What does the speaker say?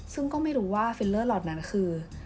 ซึ่งก็ไม่รู้ว่าฟิลเลอร์เหล่านั้นคือ